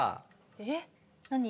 えっ何？